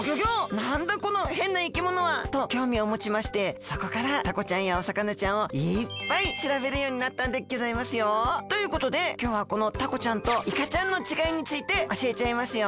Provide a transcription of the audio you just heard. なんだこのへんないきものは！？ときょうみをもちましてそこからタコちゃんやお魚ちゃんをいっぱいしらべるようになったんでギョざいますよ。ということできょうはこのタコちゃんとイカちゃんのちがいについておしえちゃいますよ！